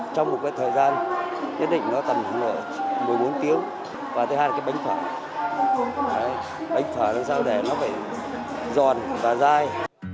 trong một thời gian nhất định nó tầm một mươi bốn tiếng và thứ hai là bánh phở bánh phở làm sao để nó giòn và dai